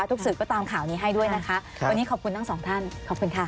สื่อก็ตามข่าวนี้ให้ด้วยนะคะวันนี้ขอบคุณทั้งสองท่านขอบคุณค่ะ